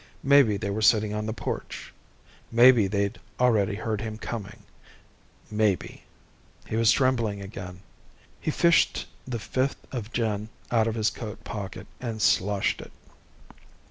Maybe they were sitting on the porch. Maybe they'd already heard him coming. Maybe ... He was trembling again. He fished the fifth of gin out of his coat pocket and sloshed it.